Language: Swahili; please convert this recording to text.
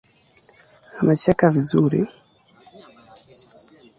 Anacheka vizuri